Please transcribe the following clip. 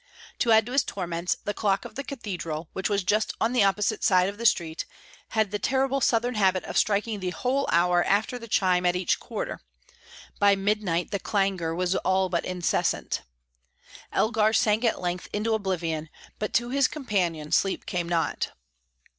To add to his torments, the clock of the cathedral, which was just on the opposite side of the street, had the terrible southern habit of striking the whole hour after the chime at each quarter; by midnight the clangour was all but incessant. Elgar sank at length into oblivion, but to his companion sleep came not.